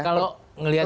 kalau ngelihat ini